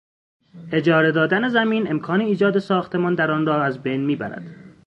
اجاره دادن زمین امکان ایجاد ساختمان در آنرا از بین میبرد.